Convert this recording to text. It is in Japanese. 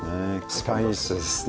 スパイスですね。